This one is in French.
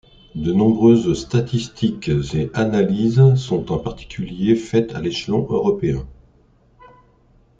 De nombreuses statistiques et analyses sont en particulier faites à l’échelon européen.